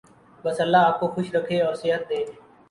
بس اللہ آپ کو خوش رکھے اور صحت دے۔